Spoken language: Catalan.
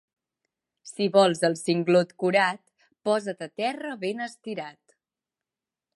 Si vols el singlot curat, posa't a terra ben estirat.